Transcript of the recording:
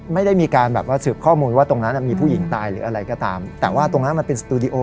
ไม่ได้มีการแบบว่าสืบข้อมูลว่าตรงนั้นมีผู้หญิงตายหรืออะไรก็ตามแต่ว่าตรงนั้นมันเป็นสตูดิโอ